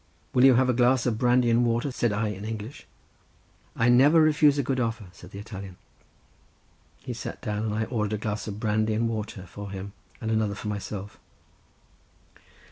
"Will you have a glass of brandy and water?" said I in English. "I never refuse a good offer," said the Italian. He sat down, and I ordered a glass of brandy and water for him and another for myself.